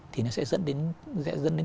thì nó sẽ dẫn đến